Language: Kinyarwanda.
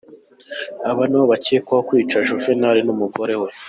Aba nibo bakekwaho kwica Juvenal n’umugore we.